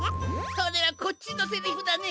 それはこっちのせりふだね！